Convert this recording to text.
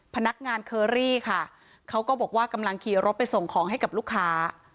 พนักงานเคอรี่ค่ะเขาก็บอกว่ากำลังขี่รถไปส่งของให้กับลูกค้า